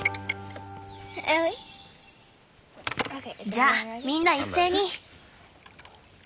じゃみんな一斉に。